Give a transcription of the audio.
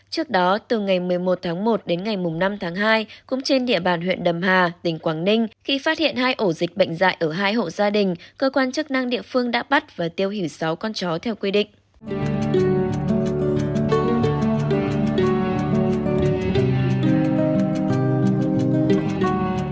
trước đó từ ngày một mươi một tháng một đến ngày năm tháng hai cũng trên địa bàn huyện đầm hà tỉnh quảng ninh khi phát hiện hai ổ dịch bệnh dạy ở hai hộ gia đình cơ quan chức năng địa phương đã bắt và tiêu hủy sáu con chó theo quy định